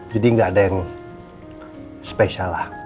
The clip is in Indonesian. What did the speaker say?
jadi gak ada yang spesial lah